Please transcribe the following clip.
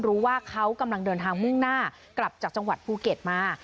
รู้ว่าเขากำลังเดินทางมุ่งหน้ากลับจากจังหวัดภูเก็ตมา